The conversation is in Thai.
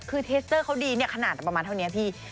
คือเทสเตอร์เขาดีเนี่ยขนาดประมาณเท่านี้พี่